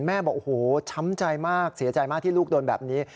บอกโอ้โหช้ำใจมากเสียใจมากที่ลูกโดนแบบนี้